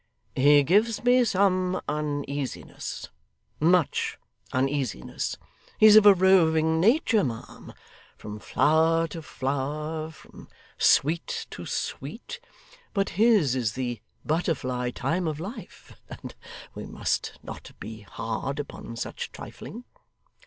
He gives me some uneasiness much uneasiness he's of a roving nature, ma'am from flower to flower from sweet to sweet but his is the butterfly time of life, and we must not be hard upon such trifling.